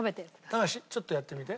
高橋ちょっとやってみて。